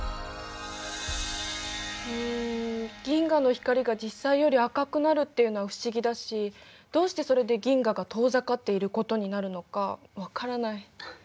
うん銀河の光が実際より赤くなるっていうのは不思議だしどうしてそれで銀河が遠ざかっていることになるのか分からない。